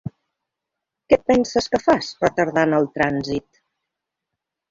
Què et penses que fas retardant el trànsit?